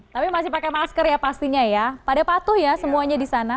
tapi masih pakai masker ya pastinya ya pada patuh ya semuanya di sana